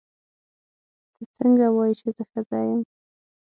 ته څنګه وایې چې زه ښځه یم.